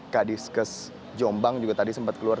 kadis kes jombang juga tadi sempat keluar